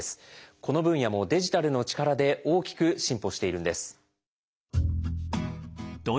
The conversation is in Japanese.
この分野もデジタルの力で大きく進歩しているんです。